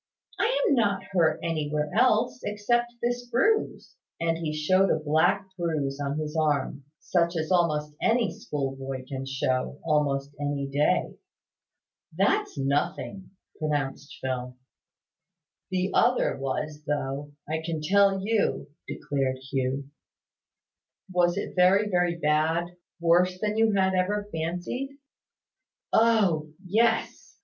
"I am not hurt anywhere else, except this bruise;" and he showed a black bruise on his arm, such as almost any schoolboy can show, almost any day. "That's nothing," pronounced Phil. "The other was, though, I can tell you," declared Hugh. "Was it very, very bad? Worse than you had ever fancied?" "Oh! Yes.